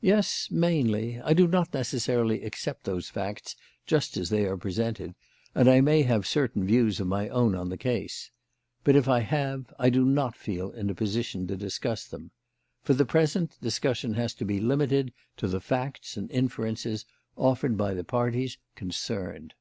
"Yes, mainly. I do not necessarily accept those facts just as they are presented, and I may have certain views of my own on the case. But if I have, I do not feel in a position to discuss them. For the present, discussion has to be limited to the facts and inferences offered by the parties concerned."